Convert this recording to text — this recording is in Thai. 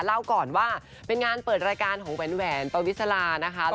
เล่าก่อนว่าเป็นงานเปิดรายการของแหวนปวิสลานะคะ